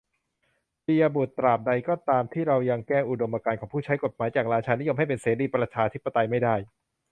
ปิยะบุตร : ตราบใดก็ตามที่เรายังแก้อุดมการณ์ของผู้ใช้กฎหมาย จากราชานิยม ให้เป็นเสรีประชาธิปไตยไม่ได้